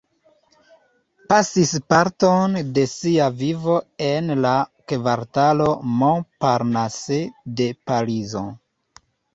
Pasis parton de sia vivo en la kvartalo Montparnasse de Parizo.